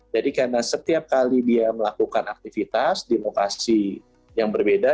jadi karena setiap kali dia melakukan aktivitas di lokasi yang berbeda